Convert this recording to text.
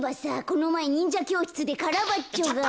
このまえにんじゃきょうしつでカラバッチョが。